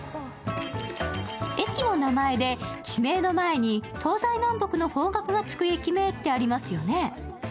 駅の名前で地名の前に東西南北の方角がつく駅名ってありますよね。